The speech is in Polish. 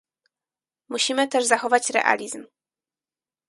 Musimy też zachować realizm